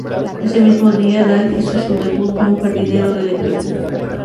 Ese mismo día, Dahl hizo su debut como jardinero del equipo.